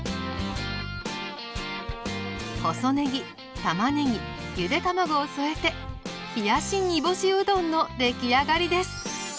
細ねぎたまねぎゆで卵を添えて冷やし煮干しうどんの出来上がりです。